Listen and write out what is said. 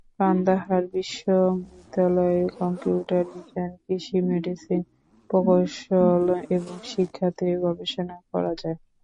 কান্দাহার বিশ্ববিদ্যালয়ে কম্পিউটার বিজ্ঞান, কৃষি, মেডিসিন, প্রকৌশল এবং শিক্ষা তে গবেষণা করাযায়।